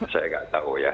saya tidak tahu ya